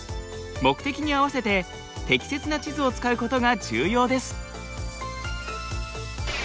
目的に合わせて適切な地図を使うことが重要です。